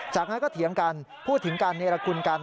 จากนั้นก็เถียงกันพูดถึงการเนรคุณกัน